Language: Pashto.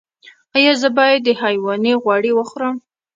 ایا زه باید د حیواني غوړي وخورم؟